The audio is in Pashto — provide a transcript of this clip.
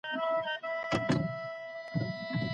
د سالمي روزني پرته د ټولني اصلاح نسي کېدلای.